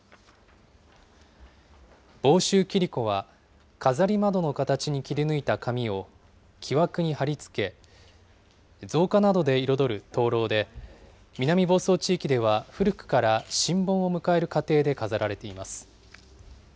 房州切子は、飾り窓の形に切り抜いた紙を木枠にはりつけ、造花などで彩る灯籠で、南房総地域では古くから新盆を迎える家庭で飾られています。